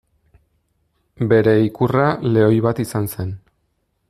Bere ikurra lehoi bat izan zen.